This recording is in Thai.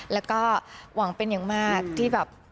แล้วก็หวังเป็นอย่างมากที่แบบ